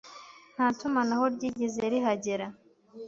Nta tumanaho ryigeze rihagera...